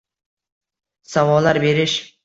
Savollar berish.